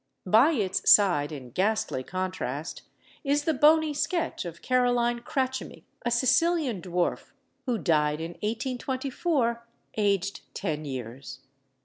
By its side, in ghastly contrast, is the bony sketch of Caroline Crachami, a Sicilian dwarf who died in 1824, aged ten years.